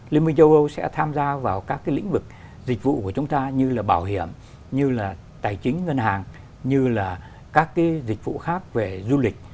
liên minh châu âu sẽ tham gia vào các cái lĩnh vực dịch vụ của chúng ta như là bảo hiểm như là tài chính ngân hàng như là các cái dịch vụ khác về du lịch